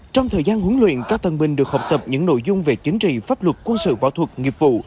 trong thời gian huấn luyện các tân binh được học tập những nội dung về chính trị pháp luật quân sự võ thuật nghiệp vụ